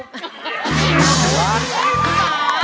ครับ